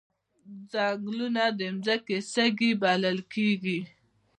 ځنګلونه د ځمکې سږي بلل کیږي